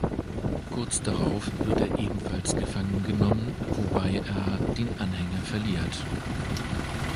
Kurz darauf wird er ebenfalls gefangen genommen, wobei er den Anhänger verliert.